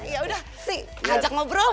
ya udah sih ajak ngobrol